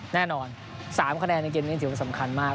แน่นอน๓คะแนนในเกมนี้ถือว่าสำคัญมาก